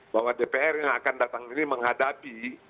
bahwa dpr yang akan datang ini menghadapi